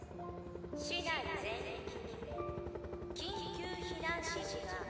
市内全域に緊急避難指示が発令。